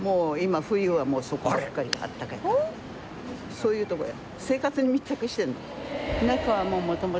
そういうとこよ。